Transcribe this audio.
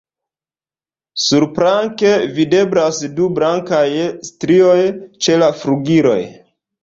Surplanke videblas du blankaj strioj ĉe la flugiloj.